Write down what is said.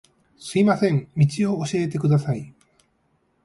すみません、道を教えてください